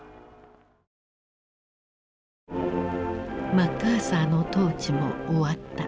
マッカーサーの統治も終わった。